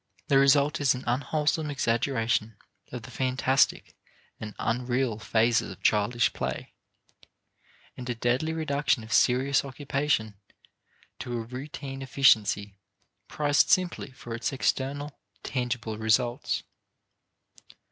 The result is an unwholesome exaggeration of the phantastic and "unreal" phases of childish play and a deadly reduction of serious occupation to a routine efficiency prized simply for its external tangible results.